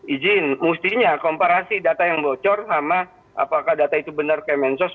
ijin mustinya komparasi data yang bocor sama apakah data itu benar ke mensos